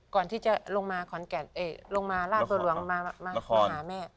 ก่อนที่จะลงมาลากตัวหลวงมาหาแม่